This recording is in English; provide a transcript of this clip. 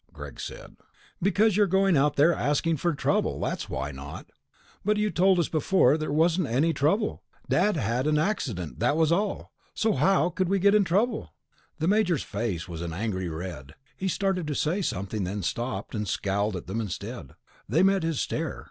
Greg said. "Because you're going out there asking for trouble, that's why not." "But you told us before that there wasn't any trouble. Dad had an accident, that was all. So how could we get in trouble?" The Major's face was an angry red. He started to say something, then stopped, and scowled at them instead. They met his stare.